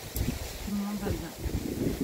Tout le monde va bien.